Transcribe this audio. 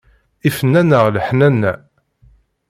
Ifen-aneɣ leḥnana.